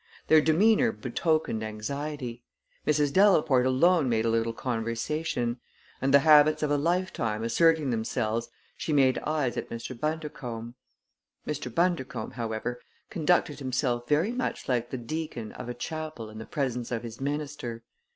Their demeanor betokened anxiety. Mrs. Delaporte alone made a little conversation; and, the habits of a lifetime asserting themselves, she made eyes at Mr. Bundercombe. Mr. Bundercombe, however, conducted himself very much like the deacon of a chapel in the presence of his minister.